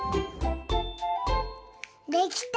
できた！